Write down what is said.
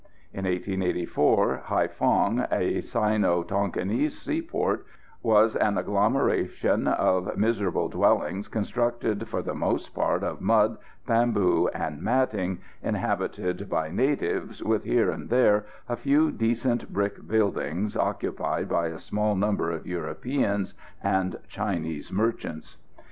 In 1884, Haïphong, a Sino Tonquinese seaport, was an agglomeration of miserable dwellings constructed for the most part of mud, bamboo and matting, inhabited by natives, with here and there a few decent brick buildings occupied by a small number of Europeans and Chinese merchants.